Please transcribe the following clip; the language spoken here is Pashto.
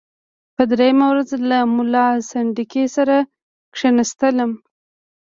په دریمه ورځ له ملا سنډکي سره کښېنستلم.